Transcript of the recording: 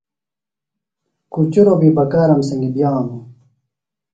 کُچُروۡ بیۡ بکارم سنگی بِیانوۡ.